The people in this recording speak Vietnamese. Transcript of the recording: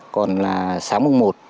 còn là sáng mùng một